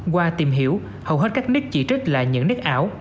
qua tìm hiểu hầu hết các nick chỉ trích là những nít ảo